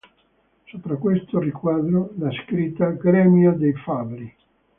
Sopra questo riquadro, la scritta "Gremio dei Fabbri".